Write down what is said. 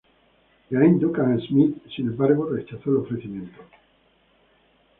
Iain Duncan Smith, sin embargo, rechazó el ofrecimiento.